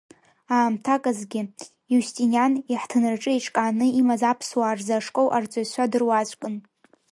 Аамҭак азгьы, Иустиниан иаҳҭынраҿы еиҿкааны имаз аԥсуаа рзы ашкол арҵаҩцәа дыруаӡәкын.